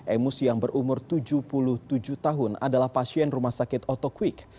emus yang berumur tujuh puluh tujuh tahun adalah pasien rumah sakit otokwik